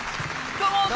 どうも。